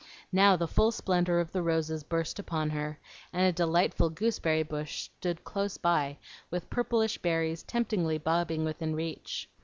Now the full splendor of the roses burst upon her, and a delightful gooseberry bush stood close by with purplish berries temptingly bobbing within reach.